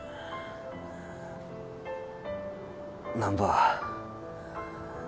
難破。